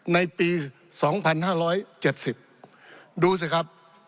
ในปีสองพันห้าร้อยเจ็ดสิบดูสิครับ